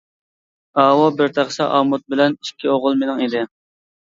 ئاۋۇ بىر تەخسە ئامۇت بىلەن ئىككى ئوغۇل مېنىڭ ئىدى.